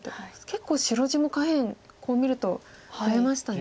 結構白地も下辺こう見ると増えましたね。